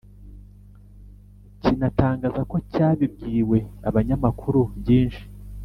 kinatangaza ko cyabibwiwe abanyamakuru byinshi